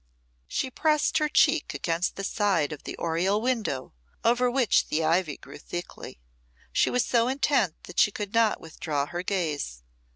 She pressed her cheek against the side of the oriel window, over which the ivy grew thickly. She was so intent that she could not withdraw her gaze.